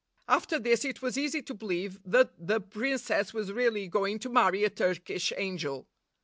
After this it was easy to believe that the princess was really going to marry a Turkish angel.